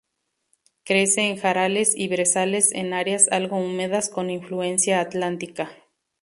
Crece en jarales y brezales en áreas algo húmedas con influencia atlántica.